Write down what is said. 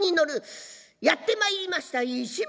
やって参りました市村座。